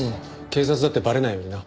警察だってバレないようにな。